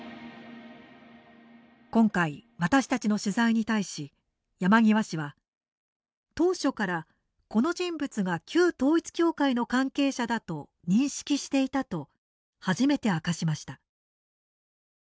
今回、私たちの取材に対し山際氏は当初から、この人物が旧統一教会の関係者だと認識していたと初めて明かしました。